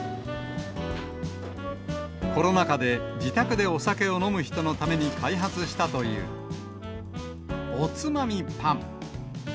コロナ禍で自宅でお酒を飲む人のために開発したという、おつまみパン。